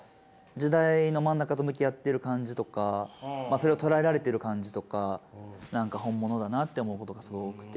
時代の真ん中と向き合ってる感じとかそれを捉えられている感じとか何か本物だなって思うことがすごい多くて。